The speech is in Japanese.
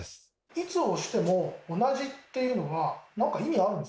いつ押しても同じっていうのは何か意味あるんですか？